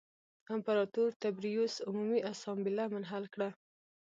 امپراتور تبریوس عمومي اسامبله منحل کړه